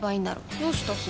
どうしたすず？